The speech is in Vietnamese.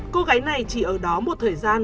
cô gái này chỉ ở đó một thời gian